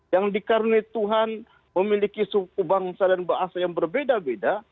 yang dikarenai tuhan memiliki suku bangsa dan bahasa yang berbeda beda